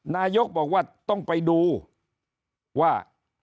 นายกบอกว่าต้องไปดูว่า